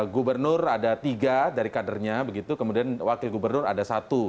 gubernur ada tiga dari kadernya begitu kemudian wakil gubernur ada satu